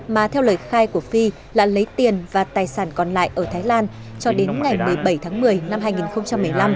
mà theo lời khai của phi là lấy tiền và tài sản còn lại ở thái lan cho đến ngày một mươi bảy tháng một mươi năm hai nghìn một mươi năm